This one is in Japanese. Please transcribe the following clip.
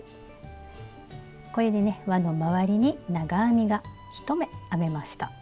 これでねわのまわりに長編みが１目編めました。